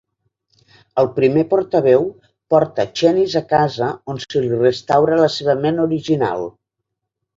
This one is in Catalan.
El Primer Portaveu porta Channis a "casa", on se li restaura la seva ment "original".